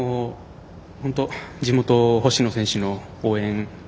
地元・星野選手の応援